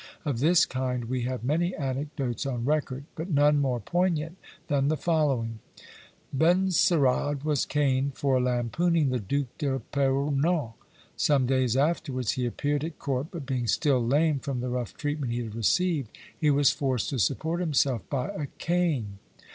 Of this kind we have many anecdotes on record; but none more poignant than the following: Benserade was caned for lampooning the Duc d'Epernon. Some days afterwards he appeared at court, but being still lame from the rough treatment he had received, he was forced to support himself by a cane.